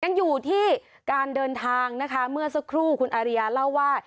ยังอยู่ที่การเดินทางนะคะเมื่อสักครู่คุณอาริยาเล่าว่า